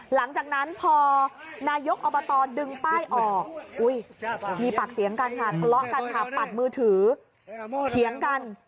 หลังจากนั้นพอนายกอบตดึงป้ายออกมีปากเสียงกันค่ะทะเลาะกันค่ะปัดมือถือเถียงกัน